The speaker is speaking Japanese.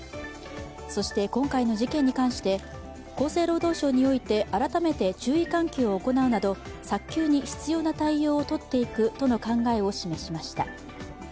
そして今回の事件に関して厚生労働省において改めて注意喚起を行うなど早急に必要な対応を取っていくとの考えを示しました。